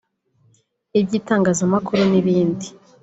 iby’itangazamakuru n’ibindi